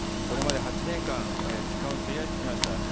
これまで８年間時間を費やしてきました。